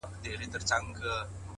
نوره به دي زه له ياده وباسم ـ